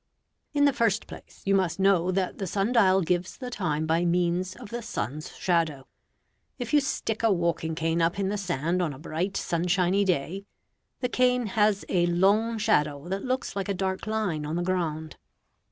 In the first place, you must know that the sun dial gives the time by means of the sun's shadow. If you stick a walking cane up in the sand on a bright, sunshiny day, the cane has a long shadow that looks like a dark line on the ground.